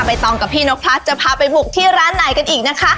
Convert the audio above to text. ตองกับพี่นกพลัดจะพาไปบุกที่ร้านไหนกันอีกนะคะ